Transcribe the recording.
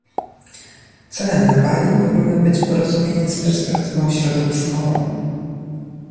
Celem na Bali powinno być porozumienie z perspektywą środowiskową